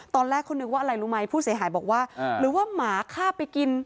ตอนแรกเขานึกว่าอะไรรู้ไหมผู้เสียหายบอกว่าหรือว่าหมาฆ่าไปกิน